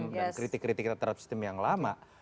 dan kritik kritik terhadap sistem yang lama